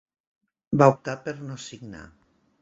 Va optar per no signar.